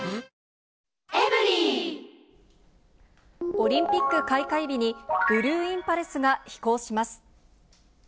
オリンピック開会日に、ブルーインパルスが飛行します。